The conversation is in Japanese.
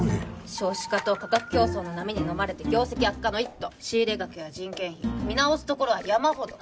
少子化と価格競争の波にのまれて業績悪化の一途仕入額や人件費見直すところは山ほど